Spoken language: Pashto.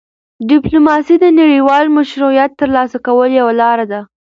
ډيپلوماسي د نړیوال مشروعیت ترلاسه کولو یوه لار ده.